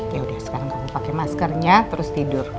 yaudah sekarang kamu pakai maskernya terus tidur